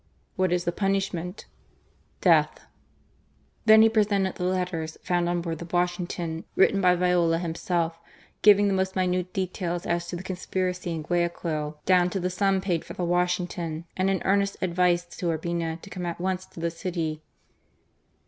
" What is the punishment ?"'Death.'; ,« Then he presented the letters, found on bdanl the Washington, ^wtitten by Viola himself, giving the the most minute details as t6 the conspiracy in Guayaquil, down to the sum paid for the Washington, and an earnest advice to Urbina to come at once to the city.